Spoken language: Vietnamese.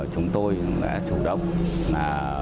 chúng tôi đã chủ động